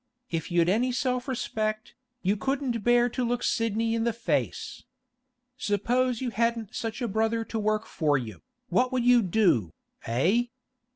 If you'd any self respect, you couldn't bear to look Sidney in the face. Suppose you hadn't such a brother to work for you, what would you do, eh?